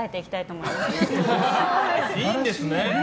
いいんですね？